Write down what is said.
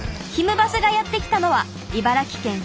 バスがやって来たのは茨城県ひたちなか市。